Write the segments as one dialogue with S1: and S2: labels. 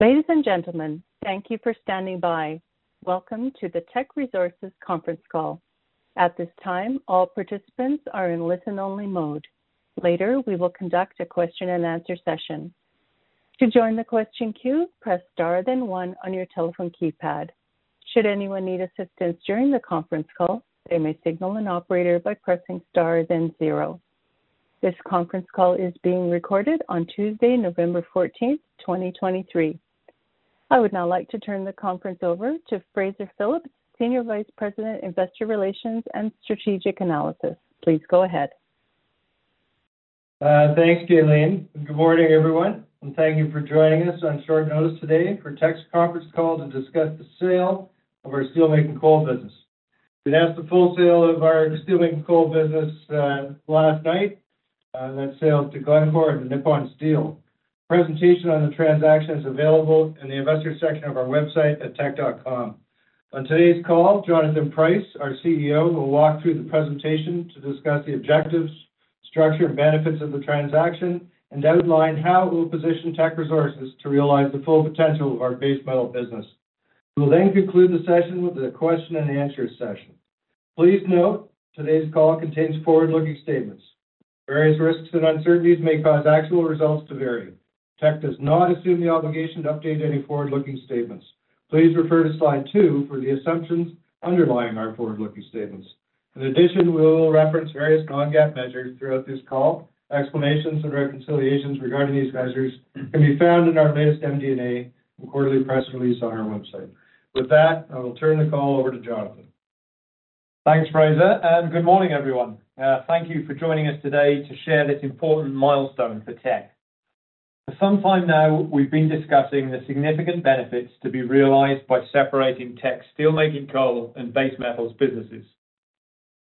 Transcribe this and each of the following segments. S1: Ladies and gentlemen, thank you for standing by. Welcome to the Teck Resources conference call. At this time, all participants are in listen-only mode. Later, we will conduct a question-and-answer session. To join the question queue, press star, then one on your telephone keypad. Should anyone need assistance during the conference call, they may signal an operator by pressing star, then zero. This conference call is being recorded on Tuesday, November 14th, 2023. I would now like to turn the conference over to Fraser Phillips, Senior Vice President, Investor Relations and Strategic Analysis. Please go ahead.
S2: Thanks, Jaylene, and good morning, everyone, and thank you for joining us on short notice today for Teck's conference call to discuss the sale of our steelmaking coal business. We announced the full sale of our steelmaking coal business last night, that sale to Glencore and Nippon Steel. Presentation on the transaction is available in the investor section of our website at teck.com. On today's call, Jonathan Price, our CEO, will walk through the presentation to discuss the objectives, structure, and benefits of the transaction and outline how it will position Teck Resources to realize the full potential of our base metal business. We will then conclude the session with a question-and-answer session. Please note, today's call contains forward-looking statements. Various risks and uncertainties may cause actual results to vary. Teck does not assume the obligation to update any forward-looking statements. Please refer to slide two for the assumptions underlying our forward-looking statements. In addition, we will reference various non-GAAP measures throughout this call. Explanations and reconciliations regarding these measures can be found in our latest MD&A and quarterly press release on our website. With that, I will turn the call over to Jonathan.
S3: Thanks, Fraser, and good morning, everyone. Thank you for joining us today to share this important milestone for Teck. For some time now, we've been discussing the significant benefits to be realized by separating Teck's steelmaking, coal, and base metals businesses.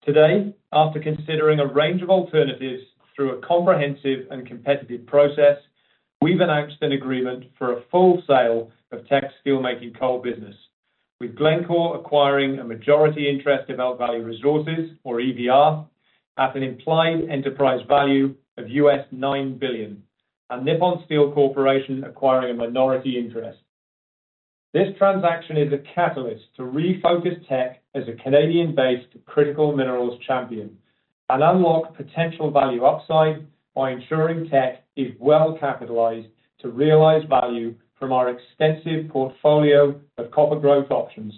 S3: Today, after considering a range of alternatives through a comprehensive and competitive process, we've announced an agreement for a full sale of Teck's steelmaking coal business, with Glencore acquiring a majority interest in Elk Valley Resources, or EVR, at an implied enterprise value of $9 billion, and Nippon Steel Corporation acquiring a minority interest. This transaction is a catalyst to refocus Teck as a Canadian-based critical minerals champion and unlock potential value upside by ensuring Teck is well-capitalized to realize value from our extensive portfolio of copper growth options,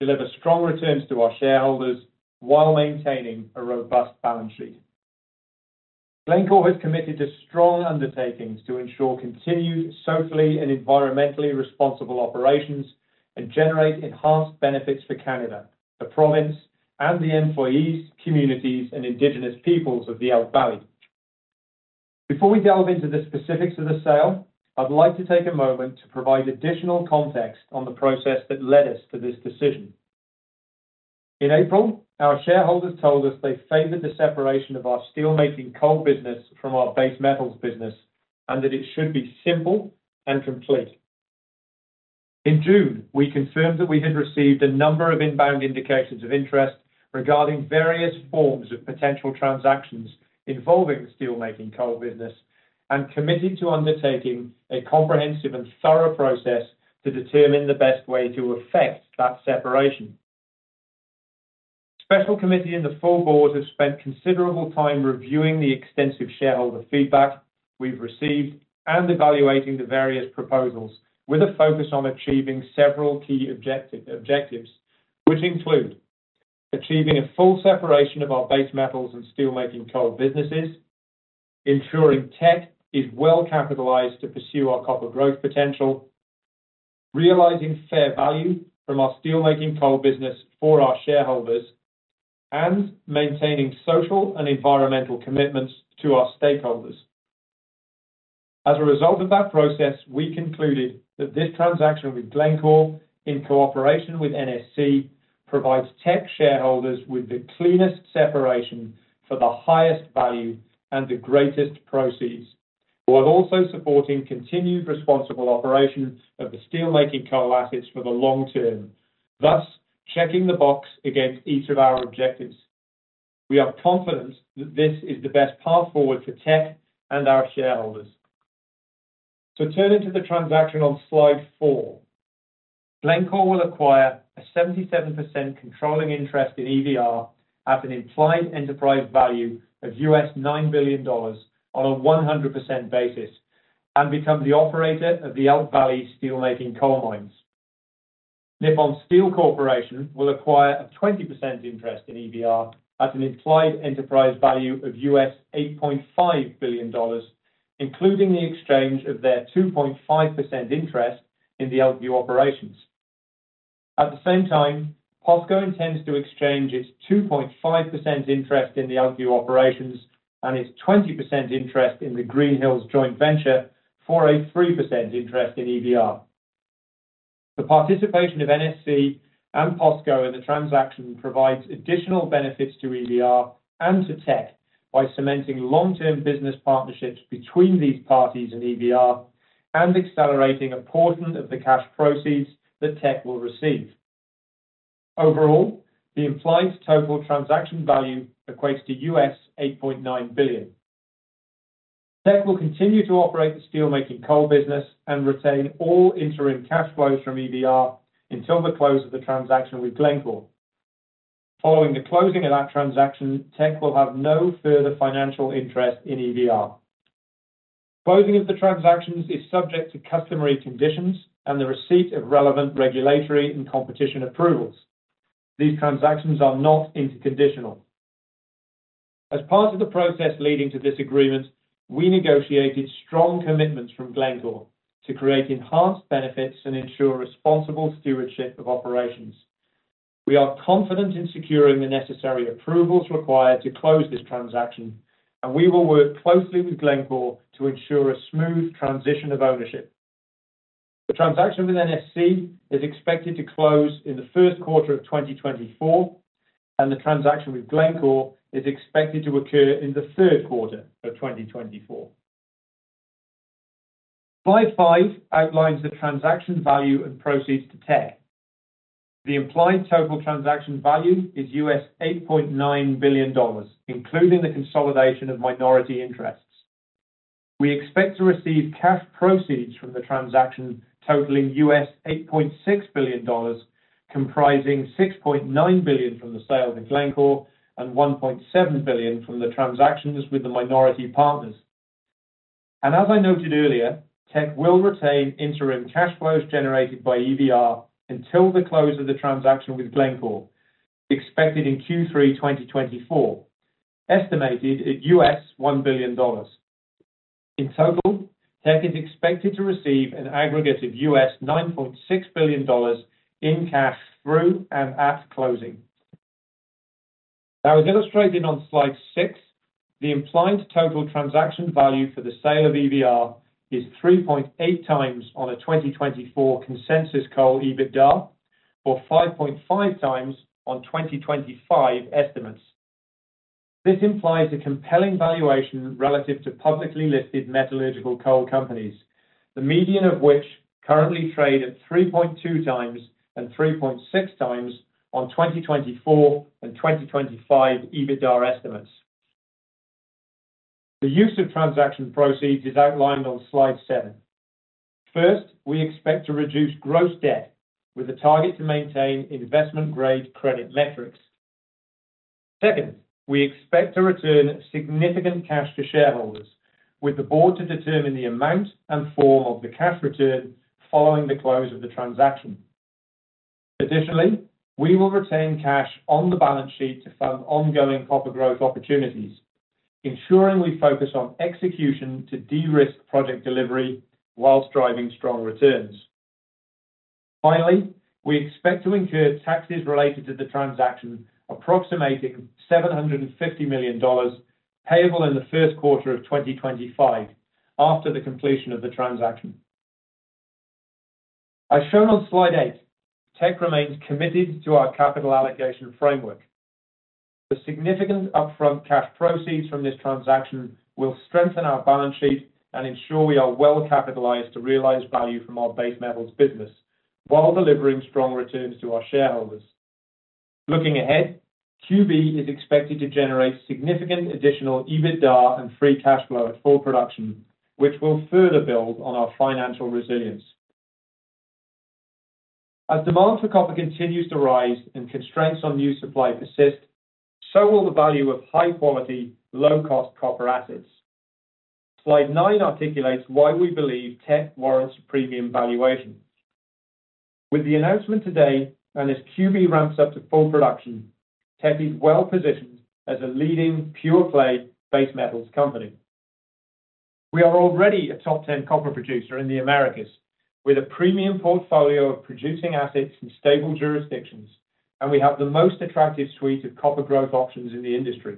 S3: deliver strong returns to our shareholders while maintaining a robust balance sheet. Glencore has committed to strong undertakings to ensure continued socially and environmentally responsible operations and generate enhanced benefits for Canada, the province, and the employees, communities, and indigenous peoples of the Elk Valley. Before we delve into the specifics of the sale, I'd like to take a moment to provide additional context on the process that led us to this decision. In April, our shareholders told us they favored the separation of our steelmaking coal business from our base metals business and that it should be simple and complete. In June, we confirmed that we had received a number of inbound indications of interest regarding various forms of potential transactions involving the steelmaking coal business and committed to undertaking a comprehensive and thorough process to determine the best way to effect that separation. Special Committee and the full board have spent considerable time reviewing the extensive shareholder feedback we've received and evaluating the various proposals with a focus on achieving several key objectives, which include: achieving a full separation of our base metals and steelmaking coal businesses, ensuring Teck is well-capitalized to pursue our copper growth potential, realizing fair value from our steelmaking coal business for our shareholders, and maintaining social and environmental commitments to our stakeholders. As a result of that process, we concluded that this transaction with Glencore, in cooperation with NSC, provides Teck shareholders with the cleanest separation for the highest value and the greatest proceeds, while also supporting continued responsible operation of the steelmaking coal assets for the long term, thus checking the box against each of our objectives. We are confident that this is the best path forward for Teck and our shareholders. To turn into the transaction on Slide four, Glencore will acquire a 77% controlling interest in EVR at an implied enterprise value of $9 billion on a 100% basis and become the operator of the Elk Valley steelmaking coal mines. Nippon Steel Corporation will acquire a 20% interest in EVR at an implied enterprise value of $8.5 billion, including the exchange of their 2.5% interest in the Elkview operations. At the same time, POSCO intends to exchange its 2.5% interest in the Elkview operations and its 20% interest in the Greenhills Joint Venture for a 3% interest in EVR. The participation of NSC and POSCO in the transaction provides additional benefits to EVR and to Teck by cementing long-term business partnerships between these parties and EVR and accelerating a portion of the cash proceeds that Teck will receive. Overall, the implied total transaction value equates to $8.9 billion. Teck will continue to operate the steelmaking coal business and retain all interim cash flows from EVR until the close of the transaction with Glencore. Following the closing of that transaction, Teck will have no further financial interest in EVR. Closing of the transactions is subject to customary conditions and the receipt of relevant regulatory and competition approvals. These transactions are not interconditional. As part of the process leading to this agreement, we negotiated strong commitments from Glencore to create enhanced benefits and ensure responsible stewardship of operations. We are confident in securing the necessary approvals required to close this transaction, and we will work closely with Glencore to ensure a smooth transition of ownership. The transaction with NSC is expected to close in the first quarter of 2024, and the transaction with Glencore is expected to occur in the third quarter of 2024. Slide five outlines the transaction value and proceeds to Teck. The implied total transaction value is $8.9 billion, including the consolidation of minority interests. We expect to receive cash proceeds from the transaction totaling $8.6 billion, comprising $6.9 billion from the sale to Glencore and $1.7 billion from the transactions with the minority partners. As I noted earlier, Teck will retain interim cash flows generated by EVR until the close of the transaction with Glencore, expected in Q3 2024, estimated at U.S $1 billion. In total, Teck is expected to receive an aggregate of $9.6 billion in cash through and at closing. Now, as illustrated on slide six, the implied total transaction value for the sale of EVR is 3.8x on a 2024 consensus coal EBITDA, or 5.5x on 2025 estimates. This implies a compelling valuation relative to publicly listed metallurgical coal companies, the median of which currently trade at 3.2x and 3.6x on 2024 and 2025 EBITDA estimates. The use of transaction proceeds is outlined on slide seven. First, we expect to reduce gross debt with a target to maintain investment-grade credit metrics. Second, we expect to return significant cash to shareholders, with the board to determine the amount and form of the cash return following the close of the transaction. Additionally, we will retain cash on the balance sheet to fund ongoing copper growth opportunities, ensuring we focus on execution to de-risk project delivery whilst driving strong returns. Finally, we expect to incur taxes related to the transaction, approximating $750 million, payable in the first quarter of 2025 after the completion of the transaction. As shown on slide eight, Teck remains committed to our capital allocation framework. The significant upfront cash proceeds from this transaction will strengthen our balance sheet and ensure we are well capitalized to realize value from our base metals business while delivering strong returns to our shareholders. Looking ahead, QB is expected to generate significant additional EBITDA and free cash flow at full production, which will further build on our financial resilience. As demand for copper continues to rise and constraints on new supply persist, so will the value of high quality, low-cost copper assets. Slide nine articulates why we believe Teck warrants a premium valuation. With the announcement today, and as QB ramps up to full production, Teck is well-positioned as a leading pure-play base metals company. We are already a top 10 copper producer in the Americas with a premium portfolio of producing assets in stable jurisdictions, and we have the most attractive suite of copper growth options in the industry.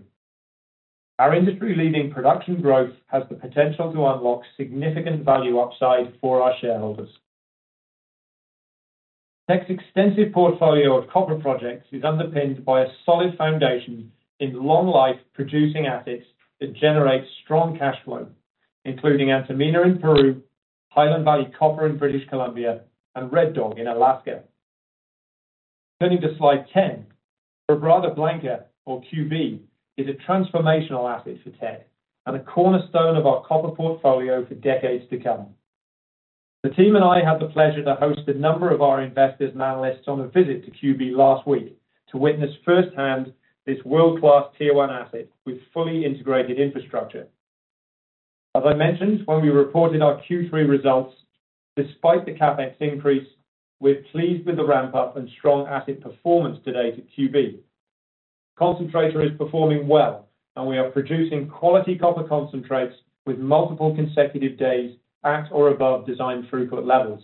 S3: Our industry-leading production growth has the potential to unlock significant value upside for our shareholders. Teck's extensive portfolio of copper projects is underpinned by a solid foundation in long-life producing assets that generate strong cash flow, including Antamina in Peru, Highland Valley Copper in British Columbia, and Red Dog in Alaska. Turning to slide 10, Quebrada Blanca, or QB, is a transformational asset for Teck and a cornerstone of our copper portfolio for decades to come. The team and I had the pleasure to host a number of our investors and analysts on a visit to QB last week to witness firsthand this world-class tier one asset with fully integrated infrastructure. As I mentioned when we reported our Q3 results, despite the CapEx increase, we're pleased with the ramp-up and strong asset performance to date at QB. Concentrator is performing well, and we are producing quality copper concentrates with multiple consecutive days at or above design throughput levels.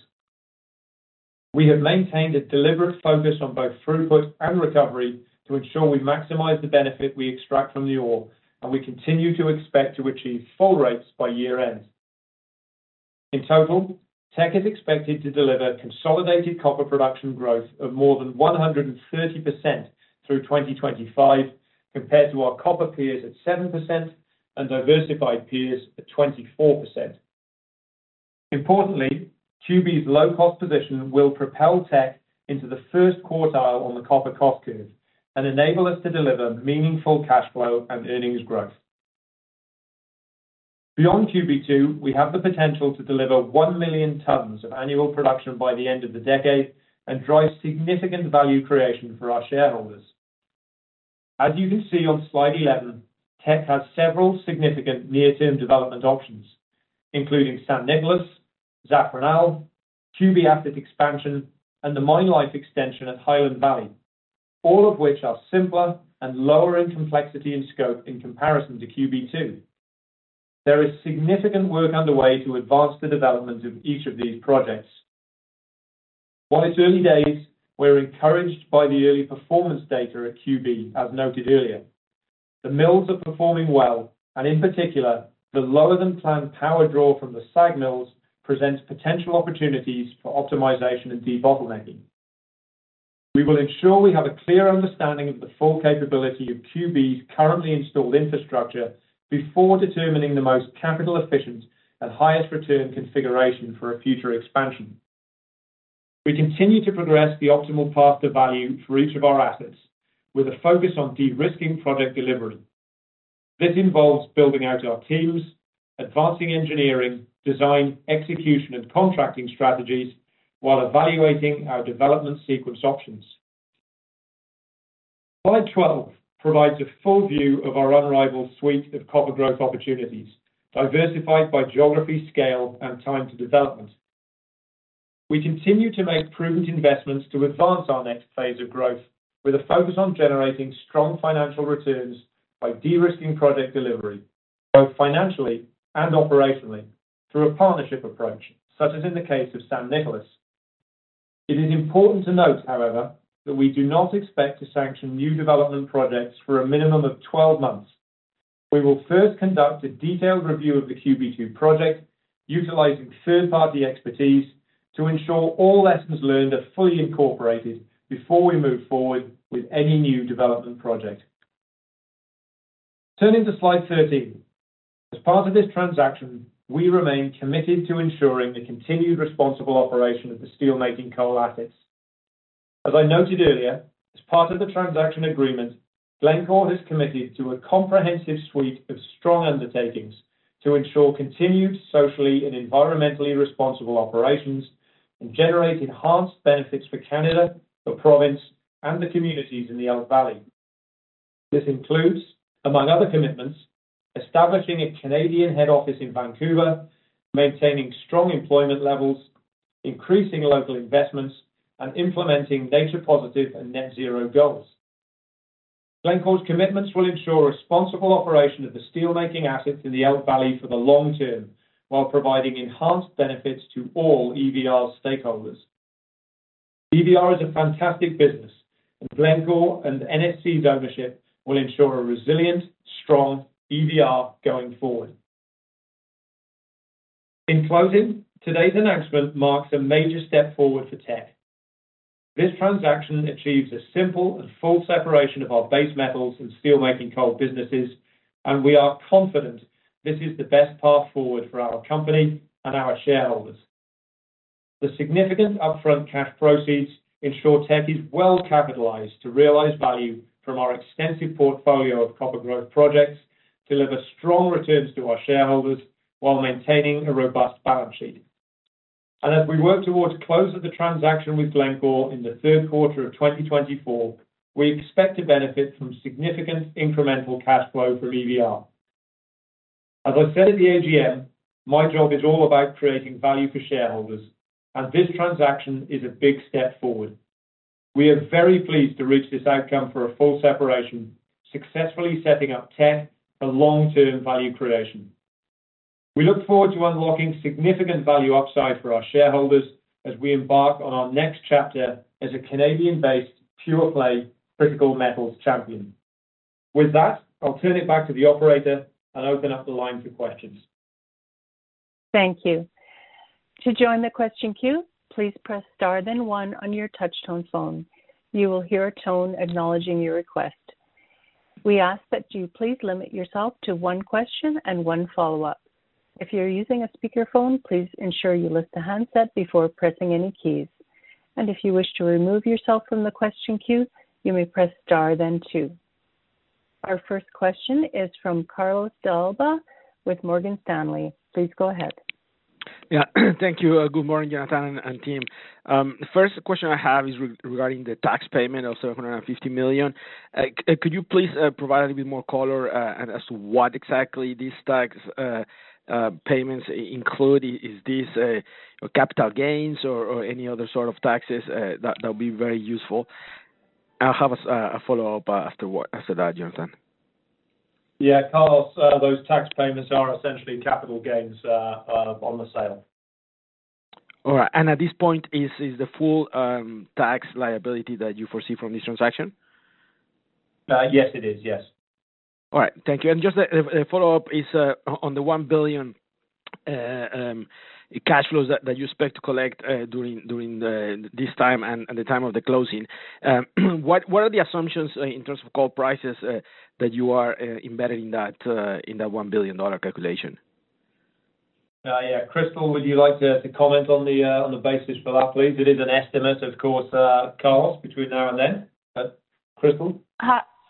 S3: We have maintained a deliberate focus on both throughput and recovery to ensure we maximize the benefit we extract from the ore, and we continue to expect to achieve full rates by year-end. In total, Teck is expected to deliver consolidated copper production growth of more than 130% through 2025, compared to our copper peers at 7% and diversified peers at 24%. Importantly, QB's low-cost position will propel Teck into the first quartile on the copper cost curve and enable us to deliver meaningful cash flow and earnings growth. Beyond QB 2, we have the potential to deliver 1,000,000 tons of annual production by the end of the decade and drive significant value creation for our shareholders. As you can see on slide 11, Teck has several significant near-term development options, including San Nicolás, Zafranal, QB asset expansion, and the mine life extension at Highland Valley, all of which are simpler and lower in complexity and scope in comparison to QB 2. There is significant work underway to advance the development of each of these projects. While it's early days, we're encouraged by the early performance data at QB, as noted earlier. The mills are performing well, and in particular, the lower-than-planned power draw from the SAG Mills presents potential opportunities for optimization and debottlenecking. We will ensure we have a clear understanding of the full capability of QB's currently installed infrastructure before determining the most capital-efficient and highest return configuration for a future expansion. We continue to progress the optimal path to value for each of our assets, with a focus on de-risking project delivery. This involves building out our teams, advancing engineering, design, execution, and contracting strategies while evaluating our development sequence options. Slide 12 provides a full view of our unrivaled suite of copper growth opportunities, diversified by geography, scale, and time to development. We continue to make prudent investments to advance our next phase of growth, with a focus on generating strong financial returns by de-risking project delivery, both financially and operationally, through a partnership approach, such as in the case of San Nicolás. It is important to note, however, that we do not expect to sanction new development projects for a minimum of 12 months. We will first conduct a detailed review of the QB2 project, utilizing third-party expertise to ensure all lessons learned are fully incorporated before we move forward with any new development project. Turning to slide 13. As part of this transaction, we remain committed to ensuring the continued responsible operation of the steelmaking coal assets. As I noted earlier, as part of the transaction agreement, Glencore has committed to a comprehensive suite of strong undertakings to ensure continued socially and environmentally responsible operations and generate enhanced benefits for Canada, the province, and the communities in the Elk Valley. This includes, among other commitments, establishing a Canadian head office in Vancouver, maintaining strong employment levels, increasing local investments, and implementing nature positive and net zero goals. Glencore's commitments will ensure responsible operation of the steelmaking assets in the Elk Valley for the long term, while providing enhanced benefits to all EVR stakeholders. EVR is a fantastic business, and Glencore and NSC's ownership will ensure a resilient, strong EVR going forward. In closing, today's announcement marks a major step forward for Teck. This transaction achieves a simple and full separation of our base metals and steelmaking coal businesses, and we are confident this is the best path forward for our company and our shareholders. The significant upfront cash proceeds ensure Teck is well capitalized to realize value from our extensive portfolio of copper growth projects, deliver strong returns to our shareholders while maintaining a robust balance sheet. As we work towards close of the transaction with Glencore in the third quarter of 2024, we expect to benefit from significant incremental cash flow from EVR. As I said at the AGM, my job is all about creating value for shareholders, and this transaction is a big step forward. We are very pleased to reach this outcome for a full separation, successfully setting up Teck for long-term value creation. We look forward to unlocking significant value upside for our shareholders as we embark on our next chapter as a Canadian-based pure-play critical metals champion. With that, I'll turn it back to the operator and open up the line for questions.
S1: Thank you. To join the question queue, please press star, then one on your touchtone phone. You will hear a tone acknowledging your request. We ask that you please limit yourself to one question and one follow-up. If you're using a speakerphone, please ensure you lift the handset before pressing any keys. If you wish to remove yourself from the question queue, you may press star, then two. Our first question is from Carlos de Alba with Morgan Stanley. Please go ahead.
S4: Yeah, thank you. Good morning, Jonathan and team. The first question I have is regarding the tax payment of $750 million. Could you please provide a little bit more color as to what exactly these tax payments include? Is this capital gains or any other sort of taxes? That'd be very useful. I'll have a follow-up afterward. After that, Jonathan.
S3: Yeah, Carlos, those tax payments are essentially capital gains on the sale.
S4: All right. At this point, is the full tax liability that you foresee from this transaction?
S3: Yes, it is. Yes.
S4: All right, thank you. And just a follow-up is on the $1 billion cash flows that you expect to collect during this time and the time of the closing. What are the assumptions in terms of coal prices that you are embedding that in that $1 billion calculation?...
S3: Yeah, Crystal, would you like to comment on the basis for that, please? It is an estimate, of course, Carlos, between now and then. But Crystal?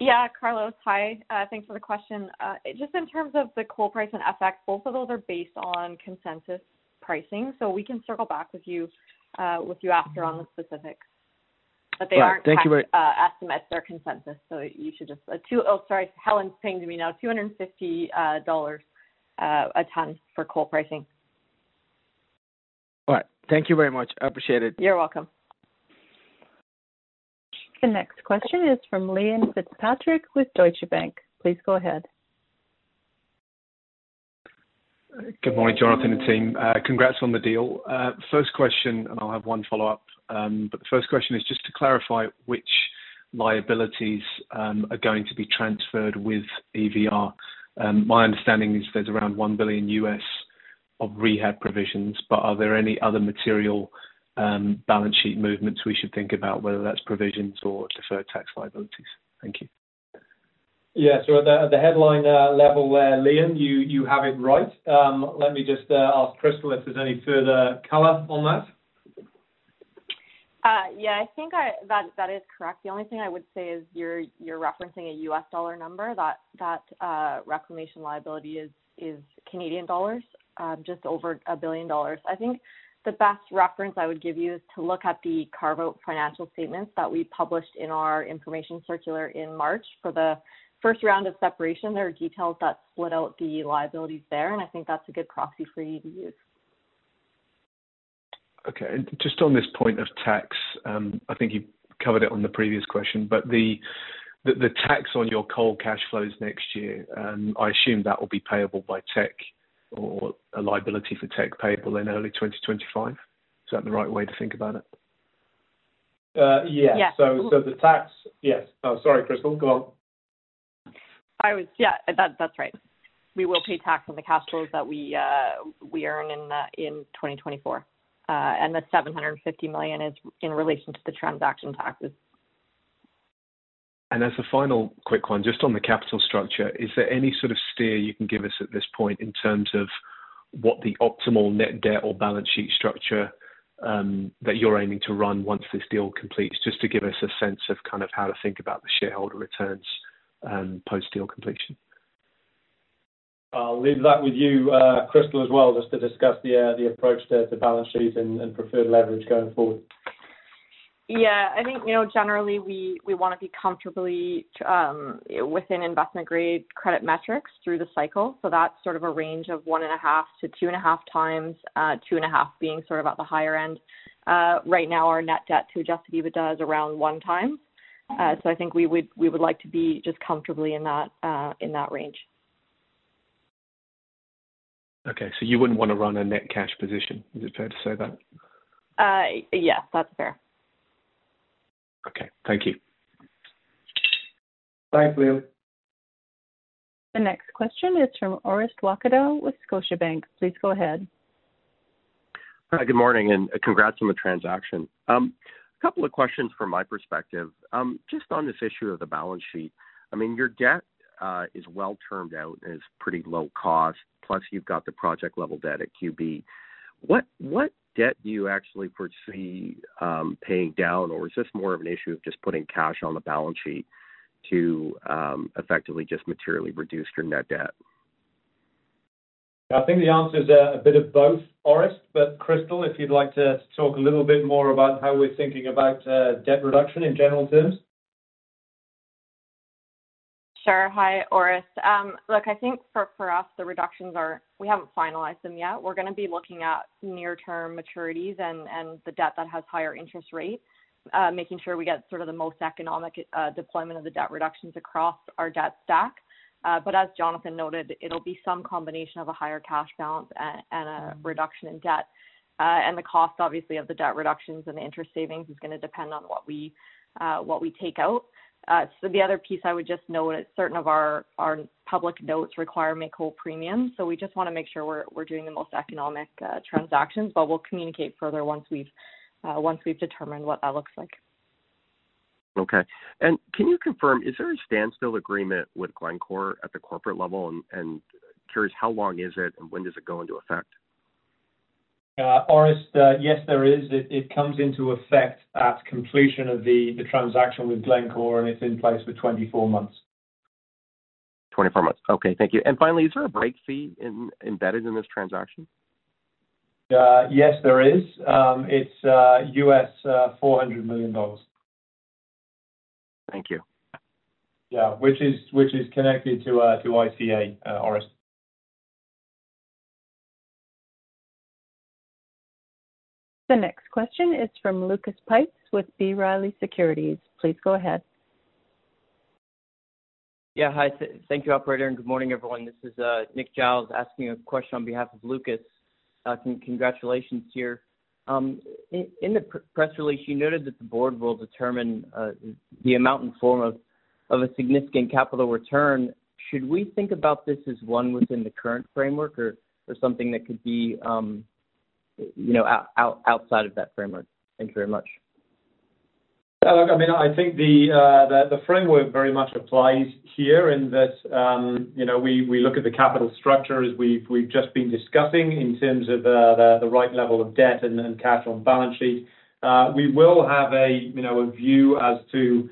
S5: Yeah, Carlos. Hi. Thanks for the question. Just in terms of the coal price and effect, both of those are based on consensus pricing. So we can circle back with you after on the specifics.
S4: Right. Thank you very-
S5: But they aren't estimates, they're consensus, so you should just... two of five, Helen pinging me now. $250 a ton for coal pricing.
S4: All right. Thank you very much. I appreciate it.
S5: You're welcome.
S1: The next question is from Liam Fitzpatrick with Deutsche Bank. Please go ahead.
S6: Good morning, Jonathan and team. Congrats on the deal. First question, and I'll have one follow-up. But the first question is just to clarify which liabilities are going to be transferred with EVR. My understanding is there's around $1 billion of rehab provisions, but are there any other material balance sheet movements we should think about, whether that's provisions or deferred tax liabilities? Thank you.
S3: Yeah. So at the headline level there, Liam, you have it right. Let me just ask Crystal if there's any further color on that.
S5: Yeah, I think that is correct. The only thing I would say is you're referencing a U.S. dollar number, that reclamation liability is Canadian dollars, just over 1 billion dollars. I think the best reference I would give you is to look at the carve-out financial statements that we published in our information circular in March. For the first round of separation, there are details that split out the liabilities there, and I think that's a good proxy for you to use.
S6: Okay. Just on this point of tax, I think you covered it on the previous question, but the tax on your coal cash flows next year, I assume that will be payable by Teck or a liability for Teck payable in early 2025. Is that the right way to think about it?
S3: Uh, yeah.
S5: Yeah.
S3: So, the tax— Yes. Sorry, Crystal. Go on.
S5: Yeah, that's right. We will pay tax on the cash flows that we earn in 2024. The $750 million is in relation to the transaction taxes.
S6: As a final quick one, just on the capital structure, is there any sort of steer you can give us at this point in terms of what the optimal net debt or balance sheet structure that you're aiming to run once this deal completes, just to give us a sense of kind of how to think about the shareholder returns post-deal completion?
S3: I'll leave that with you, Crystal, as well, just to discuss the approach to the balance sheet and preferred leverage going forward.
S5: Yeah, I think, you know, generally, we wanna be comfortably within investment-grade credit metrics through the cycle. So that's sort of a range of 1.5x-2.5x, 2.5x being sort of at the higher end. Right now, our net debt to adjusted EBITDA is around 1x. So I think we would like to be just comfortably in that range.
S6: Okay. So you wouldn't want to run a net cash position? Is it fair to say that?
S5: Yes, that's fair.
S6: Okay. Thank you.
S3: Thanks, Liam.
S1: The next question is from Orest Wowkodaw with Scotiabank. Please go ahead.
S7: Hi, good morning, and congrats on the transaction. A couple of questions from my perspective. Just on this issue of the balance sheet, I mean, your debt is well-termed out and is pretty low cost, plus you've got the project-level debt at QB. What debt do you actually foresee paying down? Or is this more of an issue of just putting cash on the balance sheet to effectively just materially reduce your net debt?
S3: I think the answer is a bit of both, Orest, but Crystal, if you'd like to talk a little bit more about how we're thinking about debt reduction in general terms.
S5: Sure. Hi, Orest. Look, I think for us, the reductions are... We haven't finalized them yet. We're gonna be looking at near-term maturities and the debt that has higher interest rates, making sure we get sort of the most economic deployment of the debt reductions across our debt stack. But as Jonathan noted, it'll be some combination of a higher cash balance and a reduction in debt. And the cost, obviously, of the debt reductions and the interest savings is gonna depend on what we take out. So the other piece I would just note, certain of our public notes require make-whole premium, so we just wanna make sure we're doing the most economic transactions, but we'll communicate further once we've determined what that looks like.
S7: Okay. And can you confirm, is there a standstill agreement with Glencore at the corporate level? And curious, how long is it and when does it go into effect?
S3: Orest, yes, there is. It comes into effect at completion of the transaction with Glencore, and it's in place for 24 months.
S7: 24 months. Okay, thank you. And finally, is there a break fee embedded in this transaction?
S3: Yes, there is. It's $400 million.
S7: Thank you.
S3: Yeah, which is connected to ICA, Orest.
S1: The next question is from Lucas Pipes with B. Riley Securities. Please go ahead.
S8: Yeah. Hi. Thank you, operator, and good morning, everyone. This is Nick Giles, asking a question on behalf of Lucas. Congratulations here. In the press release, you noted that the board will determine the amount and form of a significant capital return. Should we think about this as one within the current framework or something that could be, you know, out outside of that framework? Thank you very much. ...
S3: I mean, I think the framework very much applies here in that, you know, we look at the capital structure as we've just been discussing in terms of the right level of debt and then cash on balance sheet. We will have, you know, a view as to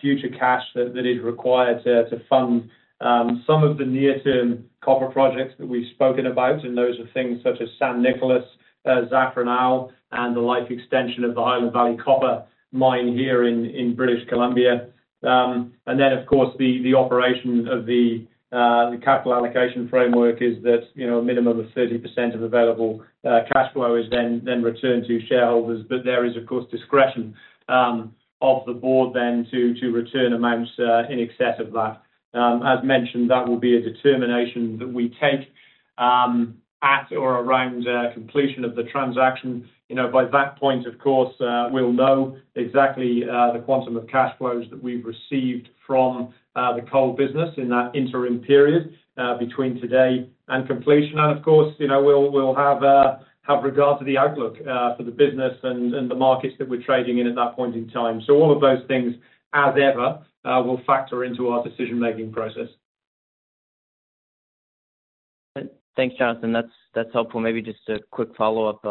S3: future cash that is required to fund some of the near-term copper projects that we've spoken about, and those are things such as San Nicolás, Zafranal, and the life extension of the Highland Valley Copper mine here in British Columbia. And then, of course, the operation of the capital allocation framework is that, you know, a minimum of 30% of available cash flow is then returned to shareholders. But there is, of course, discretion of the board then to return amounts in excess of that. As mentioned, that will be a determination that we take at or around completion of the transaction. You know, by that point, of course, we'll know exactly the quantum of cash flows that we've received from the coal business in that interim period between today and completion. And of course, you know, we'll have regard to the outlook for the business and the markets that we're trading in at that point in time. So all of those things, as ever, will factor into our decision-making process.
S8: Thanks, Jonathan. That's helpful. Maybe just a quick follow-up.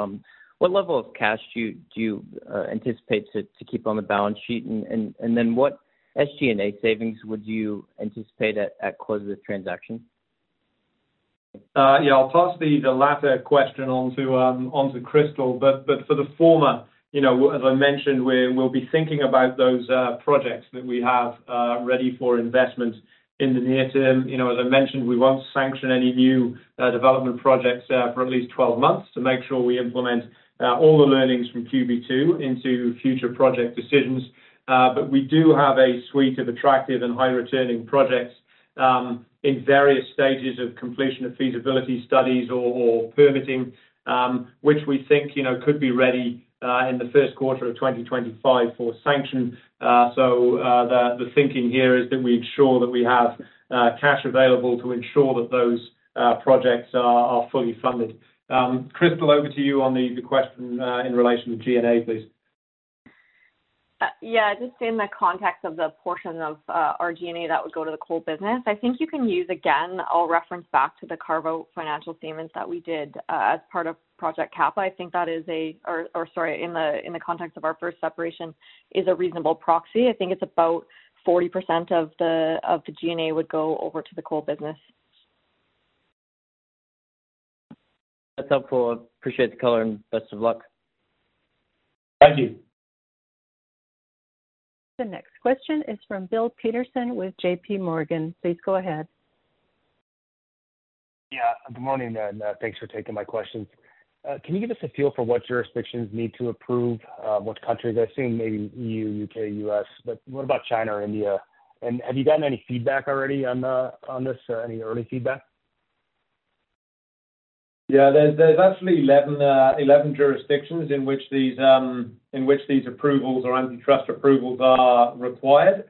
S8: What level of cash do you anticipate to keep on the balance sheet? And then what SG&A savings would you anticipate at close of the transaction?
S3: Yeah, I'll pass the latter question on to Crystal. But for the former, you know, as I mentioned, we'll be thinking about those projects that we have ready for investment in the near term. You know, as I mentioned, we won't sanction any new development projects for at least 12 months to make sure we implement all the learnings from QB2 into future project decisions. But we do have a suite of attractive and high-returning projects in various stages of completion of feasibility studies or permitting, which we think, you know, could be ready in the first quarter of 2025 for sanction. So, the thinking here is that we ensure that we have cash available to ensure that those projects are fully funded. Crystal, over to you on the question in relation to G&A, please.
S5: Yeah, just in the context of the portion of our G&A, that would go to the coal business, I think you can use, again, I'll reference back to the carve-out financial statements that we did as part of Project Kappa. I think that is... Or, sorry, in the context of our first separation, is a reasonable proxy. I think it's about 40% of the G&A would go over to the coal business.
S8: That's helpful. Appreciate the color and best of luck.
S3: Thank you.
S1: The next question is from Bill Peterson with JP Morgan. Please go ahead.
S9: Yeah, good morning, and, thanks for taking my questions. Can you give us a feel for what jurisdictions need to approve, what countries? I've seen maybe E.U., U.K., U.S., but what about China or India? And have you gotten any feedback already on, on this? Any early feedback?
S3: Yeah, there's actually 11 jurisdictions in which these approvals or antitrust approvals are required.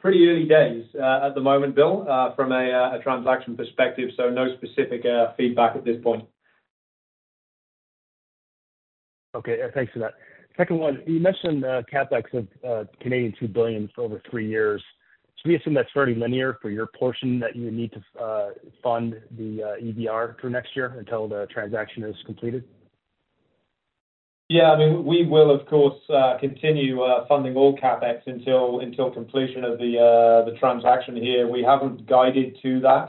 S3: Pretty early days at the moment, Bill, from a transaction perspective, so no specific feedback at this point.
S9: Okay, thanks for that. Second one, you mentioned, CapEx of 2 billion Canadian dollars over three years. Should we assume that's fairly linear for your portion, that you would need to, fund the, EVR through next year until the transaction is completed?
S3: Yeah, I mean, we will, of course, continue funding all CapEx until completion of the transaction here. We haven't guided to that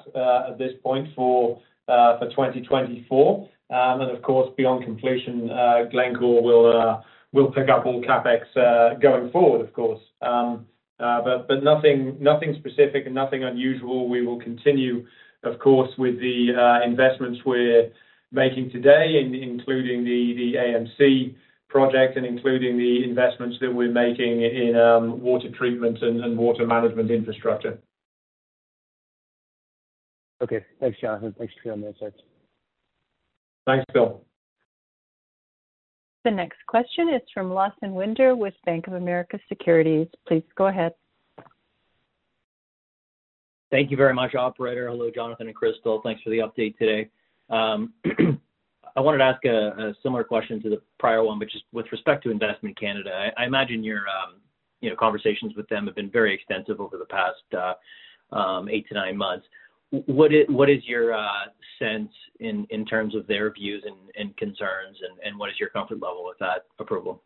S3: at this point for 2024. And of course, beyond completion, Glencore will pick up all CapEx going forward, of course. But nothing specific and nothing unusual. We will continue, of course, with the investments we're making today, including the AMC project and including the investments that we're making in water treatment and water management infrastructure.
S9: Okay. Thanks, Jonathan. Thanks for taking my questions.
S3: Thanks, Bill.
S1: The next question is from Lawson Winder with Bank of America Securities. Please go ahead.
S10: Thank you very much, operator. Hello, Jonathan and Crystal. Thanks for the update today. I wanted to ask a similar question to the prior one, but just with respect to Investment Canada. I imagine your you know conversations with them have been very extensive over the past eight to nine months. What is your sense in terms of their views and concerns, and what is your comfort level with that approval?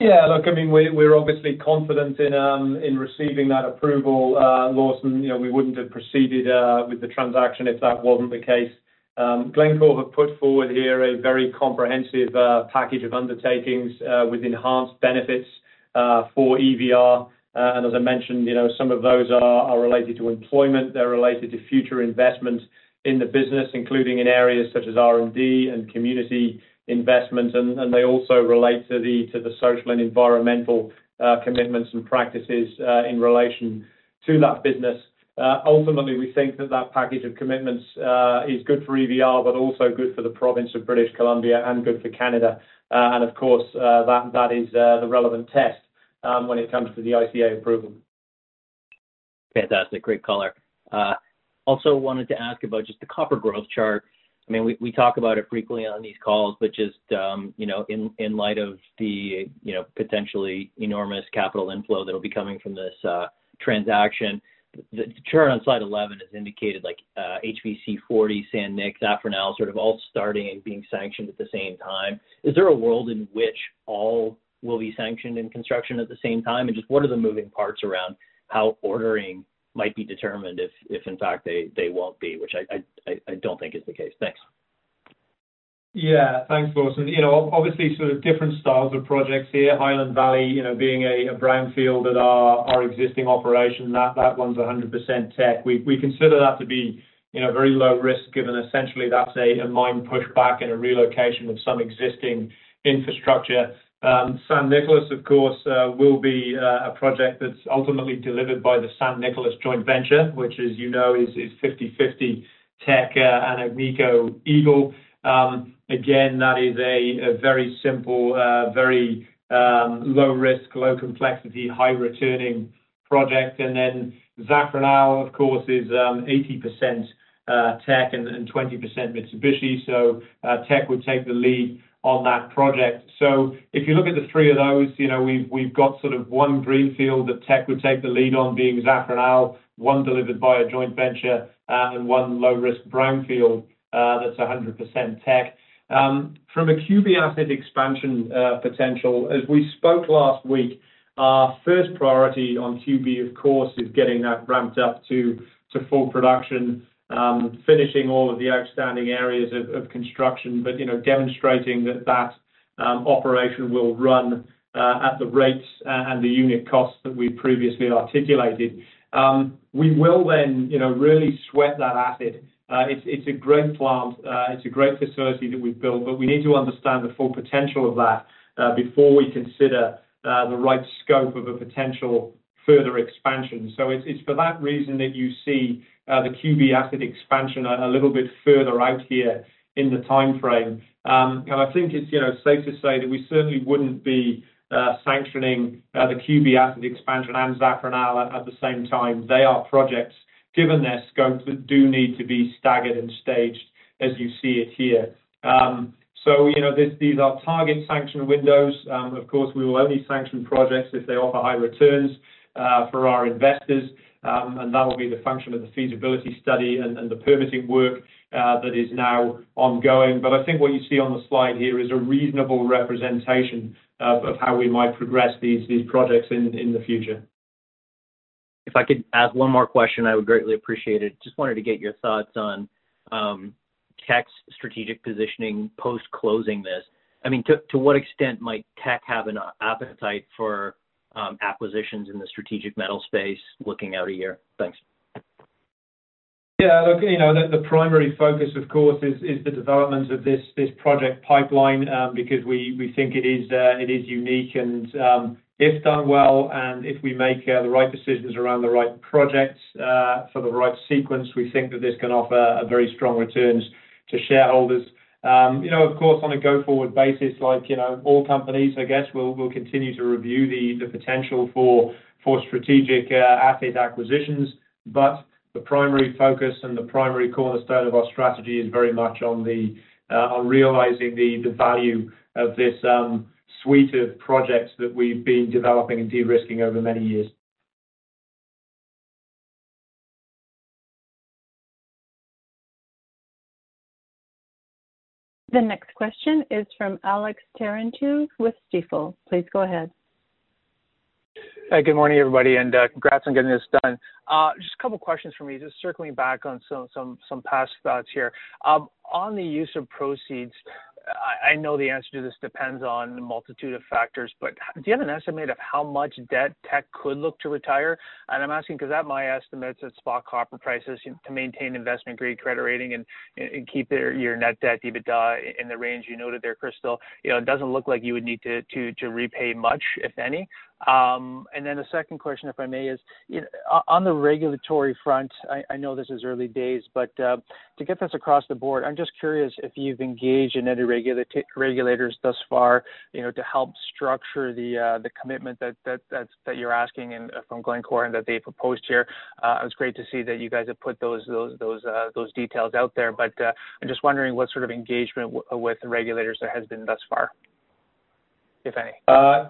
S3: Yeah, look, I mean, we're obviously confident in receiving that approval, Lawson. You know, we wouldn't have proceeded with the transaction if that wasn't the case. Glencore have put forward here a very comprehensive package of undertakings with enhanced benefits for EVR. And as I mentioned, you know, some of those are related to employment. They're related to future investments in the business, including in areas such as R&D and community investment, and they also relate to the social and environmental commitments and practices in relation to that business. Ultimately, we think that that package of commitments is good for EVR, but also good for the province of British Columbia and good for Canada. Of course, that is the relevant test when it comes to the ICA approval....
S10: Fantastic. Great color. Also wanted to ask about just the copper growth chart. I mean, we talk about it frequently on these calls, but just, you know, in light of the, you know, potentially enormous capital inflow that will be coming from this transaction, the chart on slide 11 is indicated, like, HVC 40, San Nicolás, Zafranal, sort of all starting and being sanctioned at the same time. Is there a world in which all will be sanctioned in construction at the same time? And just what are the moving parts around how ordering might be determined if in fact they won't be, which I don't think is the case. Thanks.
S3: Yeah. Thanks, Lawson. You know, obviously, sort of different styles of projects here. Highland Valley, you know, being a brownfield at our existing operation, that one's 100% Teck. We consider that to be, you know, very low risk, given essentially that's a mine pushback and a relocation of some existing infrastructure. San Nicolás, of course, will be a project that's ultimately delivered by the San Nicolás joint venture, which as you know, is 50/50 Teck and Agnico Eagle. Again, that is a very simple, very low risk, low complexity, high returning project. And then Zafranal, of course, is 80% Teck and 20% Mitsubishi. So, Teck would take the lead on that project. So if you look at the three of those, you know, we've got sort of one greenfield that Teck would take the lead on being Zafranal, one delivered by a joint venture, and one low-risk brownfield that's 100% Teck. From a QB asset expansion potential, as we spoke last week, our first priority on QB, of course, is getting that ramped up to full production, finishing all of the outstanding areas of construction, but you know, demonstrating that operation will run at the rates and the unit costs that we previously articulated. We will then, you know, really sweat that asset. It's a great plant. It's a great facility that we've built, but we need to understand the full potential of that before we consider the right scope of a potential further expansion. So it's for that reason that you see the QB asset expansion a little bit further out here in the time frame. And I think it's, you know, safe to say that we certainly wouldn't be sanctioning the QB asset expansion and Zafranal at the same time. They are projects, given their scopes, that do need to be staggered and staged as you see it here. So, you know, these are target sanction windows. Of course, we will only sanction projects if they offer high returns for our investors. And that will be the function of the feasibility study and the permitting work that is now ongoing. But I think what you see on the slide here is a reasonable representation of how we might progress these projects in the future.
S10: If I could ask one more question, I would greatly appreciate it. Just wanted to get your thoughts on Teck's strategic positioning post-closing this. I mean, to what extent might Teck have an appetite for acquisitions in the strategic metal space looking out a year? Thanks.
S3: Yeah, look, you know, the primary focus, of course, is the development of this project pipeline, because we think it is unique and, if done well, and if we make the right decisions around the right projects, for the right sequence, we think that this can offer a very strong returns to shareholders. You know, of course, on a go-forward basis, like, you know, all companies, I guess, we'll continue to review the potential for strategic asset acquisitions. But the primary focus and the primary cornerstone of our strategy is very much on realizing the value of this suite of projects that we've been developing and de-risking over many years.
S1: The next question is from Alex Terentiew with Stifel. Please go ahead.
S11: Hi, good morning, everybody, and congrats on getting this done. Just a couple of questions from me, just circling back on some past thoughts here. On the use of proceeds, I know the answer to this depends on a multitude of factors, but do you have an estimate of how much debt Teck could look to retire? And I'm asking because at my estimates, at spot copper prices, to maintain investment-grade credit rating and keep your net debt EBITDA in the range you noted there, Crystal, you know, it doesn't look like you would need to repay much, if any. And then the second question, if I may, is, you know, on the regulatory front, I know this is early days, but to get this across the board, I'm just curious if you've engaged any regulators thus far, you know, to help structure the commitment that you're asking and from Glencore and that they proposed here. It's great to see that you guys have put those details out there, but I'm just wondering what sort of engagement with the regulators there has been thus far, if any?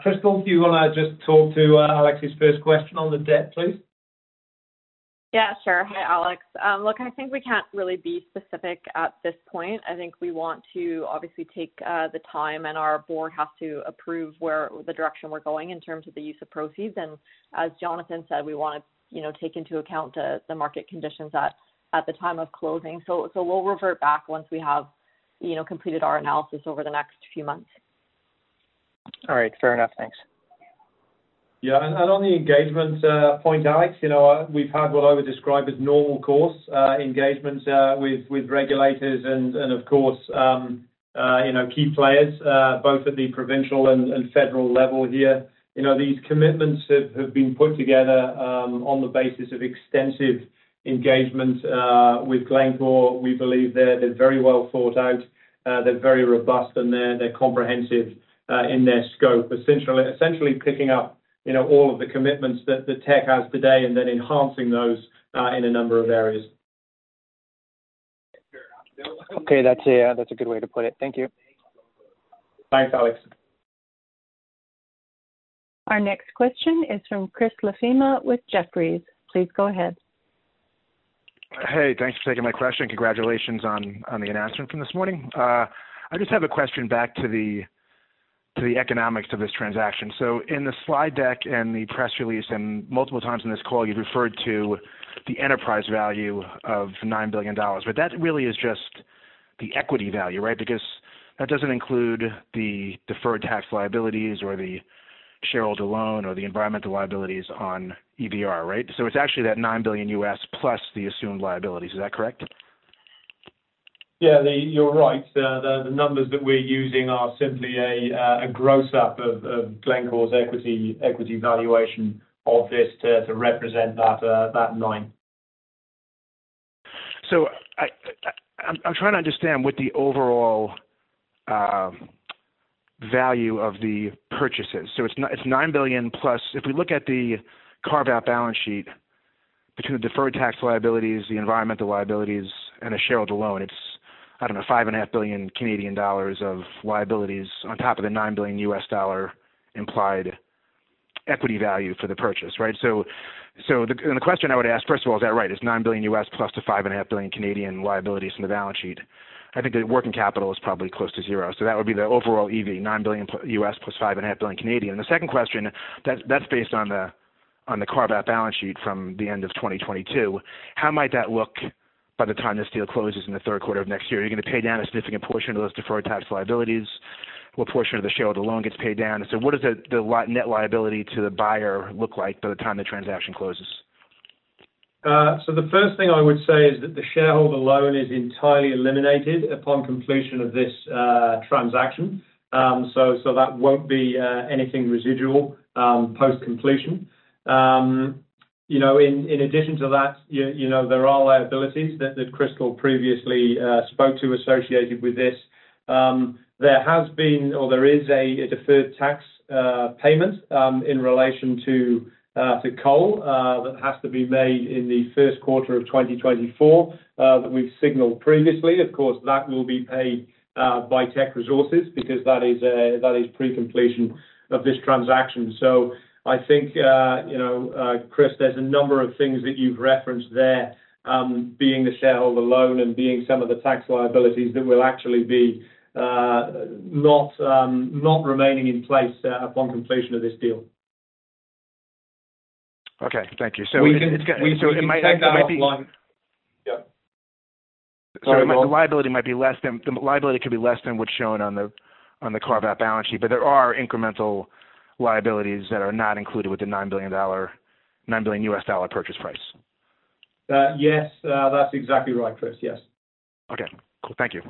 S3: Crystal, do you want to just talk to Alex's first question on the debt, please?
S5: Yeah, sure. Hi, Alex. Look, I think we can't really be specific at this point. I think we want to obviously take the time and our board has to approve where the direction we're going in terms of the use of proceeds. And as Jonathan said, we want to, you know, take into account the market conditions at the time of closing. So we'll revert back once we have, you know, completed our analysis over the next few months.
S11: All right. Fair enough. Thanks.
S3: Yeah, and on the engagement point, Alex, you know, we've had what I would describe as normal course engagement with regulators and of course key players both at the provincial and federal level here. You know, these commitments have been put together on the basis of extensive engagement with Glencore. We believe they're very well thought out, they're very robust, and they're comprehensive in their scope. Essentially picking up, you know, all of the commitments that Teck has today and then enhancing those in a number of areas....
S11: Okay, that's, yeah, that's a good way to put it. Thank you.
S3: Thanks, Alex.
S1: Our next question is from Chris LaFemina with Jefferies. Please go ahead.
S12: Hey, thanks for taking my question, and congratulations on the announcement from this morning. I just have a question back to the economics of this transaction. So in the slide deck and the press release, and multiple times in this call, you've referred to the enterprise value of $9 billion. But that really is just the equity value, right? Because that doesn't include the deferred tax liabilities or the shareholder loan or the environmental liabilities on EVR, right? So it's actually that $9 billion U.S. plus the assumed liabilities. Is that correct?
S3: Yeah, you're right. The numbers that we're using are simply a gross up of Glencore's equity valuation of this to represent that nine.
S12: So I'm trying to understand what the overall value of the purchase is. So it's $9 billion plus. If we look at the carve-out balance sheet between the deferred tax liabilities, the environmental liabilities, and the shareholder loan, it's, I don't know, 5.5 billion Canadian dollars of liabilities on top of the $9 billion U.S. dollar implied equity value for the purchase, right? So the... And the question I would ask, first of all, is that right? It's $9 billion U.S. plus the 5.5 billion Canadian liabilities from the balance sheet. I think the working capital is probably close to zero, so that would be the overall EV, $9 billion US plus 5.5 billion Canadian. The second question, that's based on the carve-out balance sheet from the end of 2022. How might that look by the time this deal closes in the third quarter of next year? Are you gonna pay down a significant portion of those deferred tax liabilities? What portion of the shareholder loan gets paid down? And so what does the net liability to the buyer look like by the time the transaction closes?
S3: So the first thing I would say is that the shareholder loan is entirely eliminated upon completion of this transaction. So that won't be anything residual post-completion. You know, in addition to that, you know, there are liabilities that Crystal previously spoke to associated with this. There has been, or there is a deferred tax payment in relation to coal that has to be made in the first quarter of 2024 that we've signaled previously. Of course, that will be paid by Teck Resources because that is pre-completion of this transaction. So I think, you know, Chris, there's a number of things that you've referenced there, being the shareholder loan and being some of the tax liabilities that will actually be not remaining in place upon completion of this deal.
S12: Okay, thank you. So-
S3: We can-
S12: It's got-
S3: We can take that offline. Yep. Sorry, go on.
S12: The liability might be less than, the liability could be less than what's shown on the, on the carve-out balance sheet, but there are incremental liabilities that are not included with the $9 billion dollar, $9 billion US dollar purchase price.
S3: Yes, that's exactly right, Chris. Yes.
S12: Okay, thank you.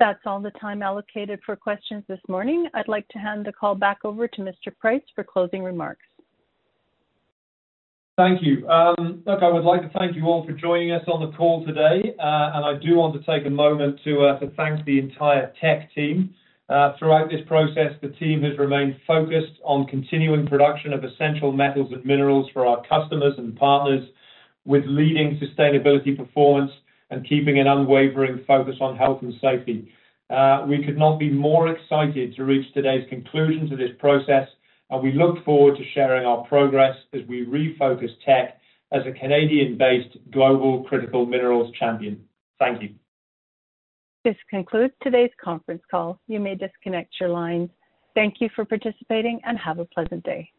S1: That's all the time allocated for questions this morning. I'd like to hand the call back over to Mr. Price for closing remarks.
S3: Thank you. Look, I would like to thank you all for joining us on the call today. And I do want to take a moment to to thank the entire Teck team. Throughout this process, the team has remained focused on continuing production of essential metals and minerals for our customers and partners with leading sustainability, performance, and keeping an unwavering focus on health and safety. We could not be more excited to reach today's conclusion to this process, and we look forward to sharing our progress as we refocus Teck as a Canadian-based global critical minerals champion. Thank you.
S1: This concludes today's conference call. You may disconnect your lines. Thank you for participating and have a pleasant day.